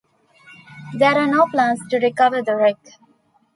There are no plans to recover the wreck.